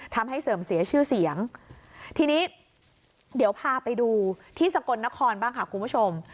ทำให้เสื่อมเสียชื่อเสียงทีนี้เดี๋ยวพาไปดูที่สกลนครบ้างค่ะคุณผู้ชม